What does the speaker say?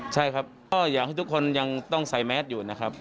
ใช่ครับก็อยากให้ทุกคนยังต้องใส่แมสอยู่นะครับ